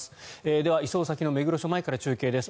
では、移送先の目黒署前から中継です。